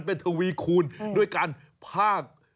เป็นทวีคูณด้วยการพาก